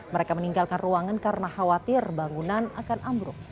mereka meninggalkan ruangan karena khawatir bangunan akan ambruk